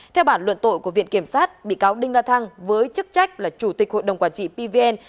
theo bản luận tội của viện kiểm sát bị cáo đinh la thăng với chức trách là chủ tịch hội đồng quản trị pvn